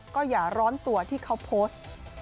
ก็อย่าร้อนตัวที่เขาโพสต์